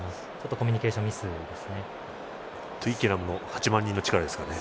コミュニケーションミスですね。